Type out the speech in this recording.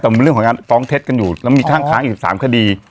แต่มันเรื่องของการฟ้องเท็จกันอยู่แล้วมีข้างค้างอีก๑๓คดี